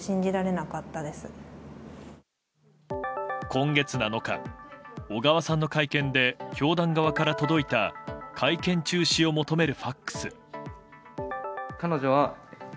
今月７日、小川さんの会見で教団側から届いた会見中止を求めるＦＡＸ。